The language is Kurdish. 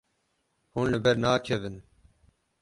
Hûn li ber nakevin.